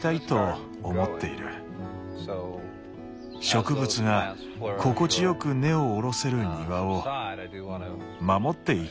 植物が心地よく根を下ろせる庭を守っていきたいんだ。